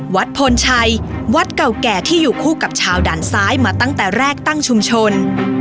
พลชัยวัดเก่าแก่ที่อยู่คู่กับชาวด่านซ้ายมาตั้งแต่แรกตั้งชุมชน